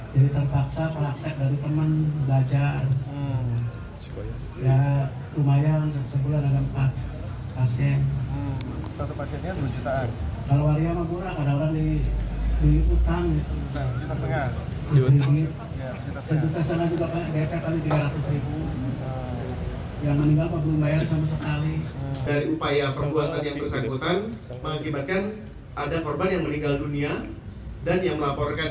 dari upaya perbuatan yang bersangkutan mengakibatkan ada korban yang meninggal dunia dan yang melaporkan